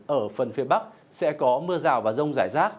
ở phần phía bắc sẽ có mưa rào và rông rải rác